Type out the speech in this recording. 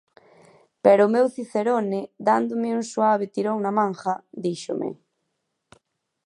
Pero o meu cicerone, dándome un suave tirón na manga, díxome: